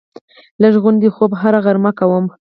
لږ غوندې خوب هره غرمه کومه